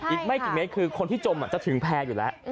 อีกไม่กี่เมตรคือคนที่จมจะถึงแพร่อยู่แล้ว